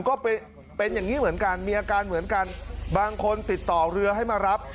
ก็เป็นอย่างนี้เหมือนกันมีอาการเหมือนกันบางคนติดต่อเรือให้มารับ